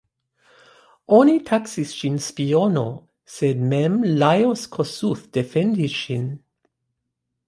Oni taksis ŝin spiono, sed mem Lajos Kossuth defendis ŝin.